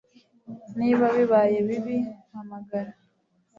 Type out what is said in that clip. Niba bibaye bibi, mpamagara.